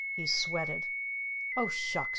He sweated. "Oh Shucks!